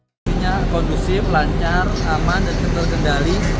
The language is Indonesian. kondisinya kondusif lancar aman dan terkendali